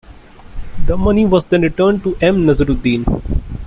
The money was then returned to M. Nazaruddin.